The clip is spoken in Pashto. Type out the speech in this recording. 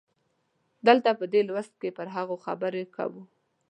دلته په دې لوست کې پر هغو خبرې کوو.